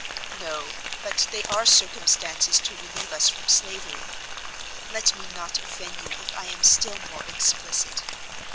"No, but they are circumstances to relieve us from slavery. Let me not offend you if I am still more explicit.